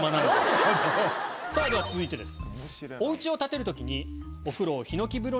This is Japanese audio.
さぁでは続いてです。